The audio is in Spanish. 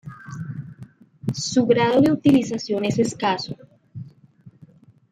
Su grado de utilización es escaso.